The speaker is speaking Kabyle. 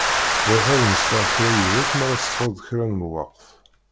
Bɣiɣ ad meslayeɣ kra yid-k m'ara tesεuḍ kra n lweqt.